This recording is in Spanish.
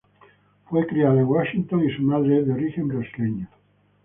Fue criada en Washington y su madre es de origen brasileño.